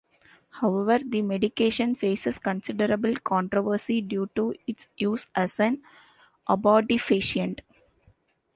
However, the medication faces considerable controversy due to its use as an abortifacient.